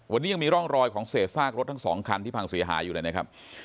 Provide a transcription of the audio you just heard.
วันนี้ยังมีร่องรอยของเศษซากรถทั้งสองคันที่พังเสียหายอยู่เลยนะครับ